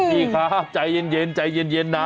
เห้อพี่ครับใจเย็นใจเย็นนะ